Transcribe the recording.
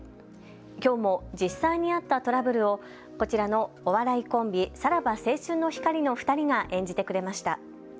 きょうも実際にあったトラブルをこちらのお笑いコンビ、さらば青春の光の２人が演じてくれました。